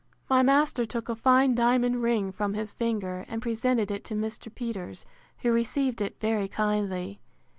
My master took a fine diamond ring from his finger, and presented it to Mr. Peters, who received it very kindly.